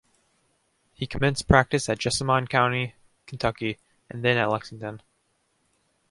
He commenced practice at Jessamine County, Kentucky and then at Lexington.